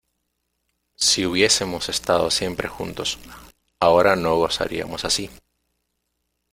si hubiésemos estado siempre juntos, ahora no gozaríamos así.